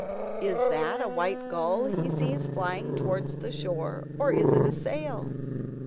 Is that a white gull he sees flying towards the shore, or is it a sail?